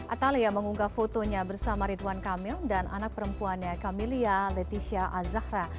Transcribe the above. atalia mengunggah fotonya bersama ridwan kamil dan anak perempuannya kamilia leticia azahra